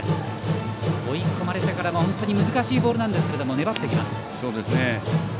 追い込まれてから難しいボールなんですが粘ってきます。